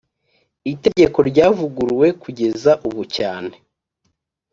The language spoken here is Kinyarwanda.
itegeko ryavuguruwe kugeza ubu cyane